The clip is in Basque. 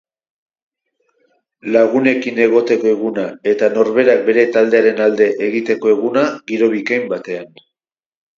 Lagunekin egoteko eguna eta norberak bere taldearen alde egiteko eguna giro bikain batean.